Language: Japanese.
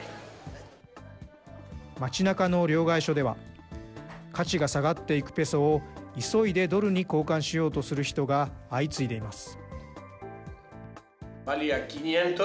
街なかの両替所では、価値が下がっていくペソを、急いでドルに交換しようとする人が相次いでいます。